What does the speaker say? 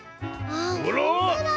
あほんとだ。